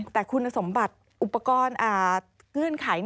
แต่คุณสมบัติอุปกรณ์ขึ้นขาย